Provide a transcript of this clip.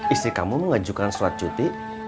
istri kamu mau ngajukan surat cuti